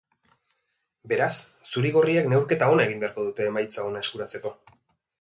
Beraz, zuri-gorriek neurketa ona egin beharko dute emaitza ona eskuratzeko.